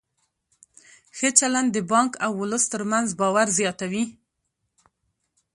ښه چلند د بانک او ولس ترمنځ باور زیاتوي.